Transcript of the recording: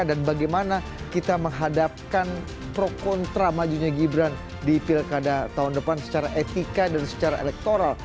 dan bagaimana kita menghadapkan pro kontra majunya gibran di pilkada tahun depan secara etika dan secara elektoral